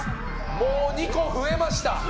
もう２個増えました。